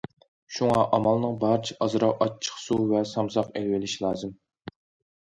شۇڭا، ئامالنىڭ بارىچە ئازراق ئاچچىقسۇ ۋە سامساق ئېلىۋېلىش لازىم.